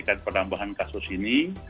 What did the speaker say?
mengendalikan penambahan kasus ini